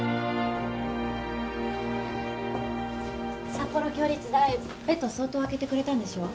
札幌共立大ベッド相当空けてくれたんでしょ？